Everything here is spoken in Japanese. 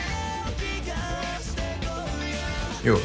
よう。